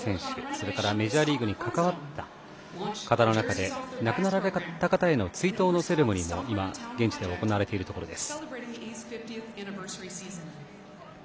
それからメジャーリーグに関わった方の中で亡くなられた方への追悼のセレモニーも現地では行われているところです。